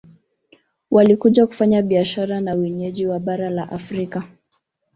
Walikuja kufanya biashara na wenyeji wa bara la Afrika